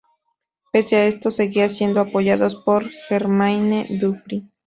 Pese a esto seguían siendo apoyados por Jermaine Dupri.